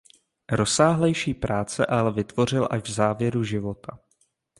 Rozsáhlejší práce ale vytvořil až v závěru života.